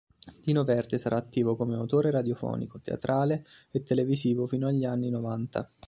Dino Verde sarà attivo come autore radiofonico, teatrale e televisivo fino agli anni novanta.